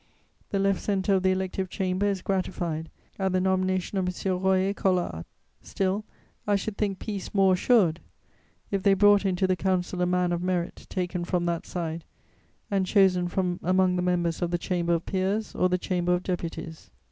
"The Left Centre of the Elective Chamber is gratified at the nomination of M. Royer Collard: still, I should think peace more assured, if they brought into the Council a man of merit taken from that side and chosen from among the members of the Chamber of Peers or the Chamber of Deputies.